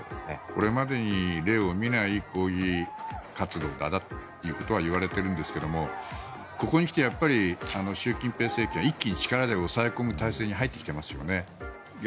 これまでに類を見ない抗議活動だなということはいわれているんですけどもここに来て習近平政権一気に力で抑え込む態勢に入ってきてますよね。